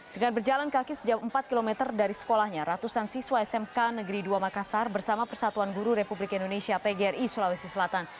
dengan berjalan kaki sejauh empat km dari sekolahnya ratusan siswa smk negeri dua makassar bersama persatuan guru republik indonesia pgri sulawesi selatan